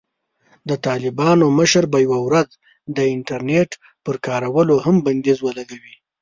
د طالبانو مشر به یوه ورځ د "انټرنېټ" پر کارولو هم بندیز ولګوي.